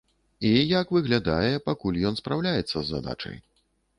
І, як выглядае, пакуль ён спраўляецца з задачай.